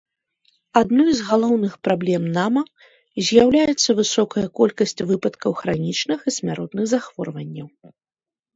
Адной з галоўных праблем нама з'яўляецца высокая колькасць выпадкаў хранічных і смяротных захворванняў.